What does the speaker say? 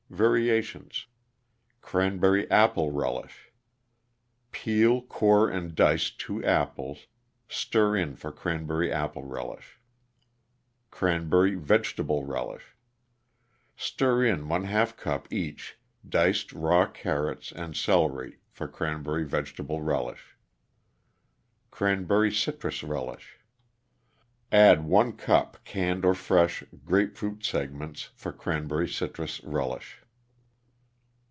VARIATIONS =Cranberry Apple Relish.= Peel, core and dice 2 apples; stir in for Cranberry Apple Relish. =Cranberry Vegetable Relish.= Stir in ┬Į cup each diced raw carrots and celery for Cranberry Vegetable Relish. =Cranberry Citrus Relish.= Add 1 cup canned or fresh grapefruit segments for Cranberry Citrus Relish.